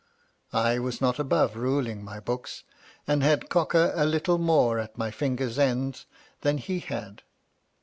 I was not above ruling my books, and had Cocker a little more at my fingers' ends than he had.